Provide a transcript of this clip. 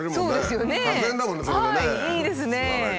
いいですね。